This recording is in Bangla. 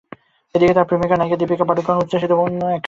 এদিকে তাঁর প্রেমিকা ও নায়িকা দীপিকা পাড়ুকোন উচ্ছ্বসিত অন্য এক কারণে।